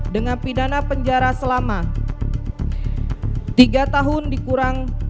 dengan pidana penjara selama tiga tahun dikurang